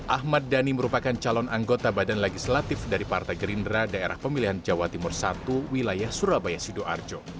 ahmad dhani merupakan calon anggota badan legislatif dari partai gerindra daerah pemilihan jawa timur satu wilayah surabaya sidoarjo